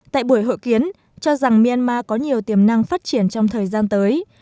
tại buổi hội kiến cho rằng myanmar có nhiều tiềm năng phát triển trong thời gian tới